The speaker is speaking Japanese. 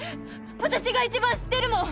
私が一番知ってるもん！